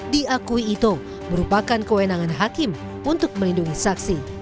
diakui itu merupakan kewenangan hakim untuk melindungi saksi